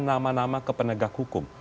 nama nama ke penegak hukum